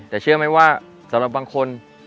แต่เชื่อไหมว่าสำหรับบางคน